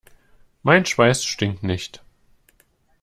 Mein Schweiß stinkt nicht.